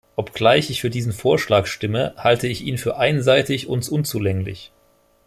Obgleich ich für diesen Vorschlag stimme, halte ich ihn für einseitig und unzulänglich.